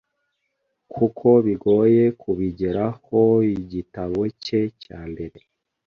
kuko bigoye kubigerahoIgitabo cye cya mbere